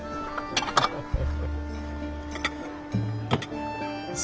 ハハハハ。